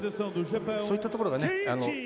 そういったところが。